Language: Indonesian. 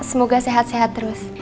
semoga sehat sehat terus